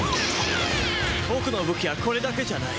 僕の武器はこれだけじゃない。